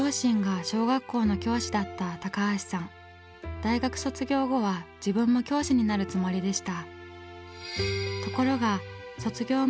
大学卒業後は自分も教師になるつもりでした。